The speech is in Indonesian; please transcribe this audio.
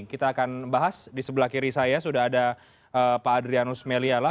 kita akan bahas di sebelah kiri saya sudah ada pak adrianus meliala